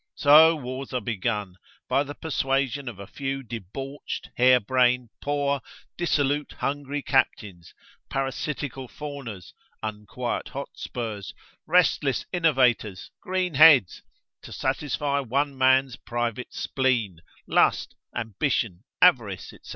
So wars are begun, by the persuasion of a few debauched, hair brain, poor, dissolute, hungry captains, parasitical fawners, unquiet hotspurs, restless innovators, green heads, to satisfy one man's private spleen, lust, ambition, avarice, &c.